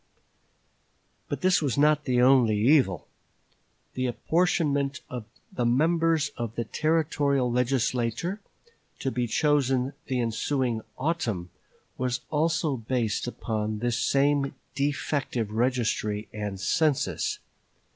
But this was not the only evil. The apportionment of the members of the Territorial Legislature to be chosen the ensuing autumn was also based upon this same defective registry and census.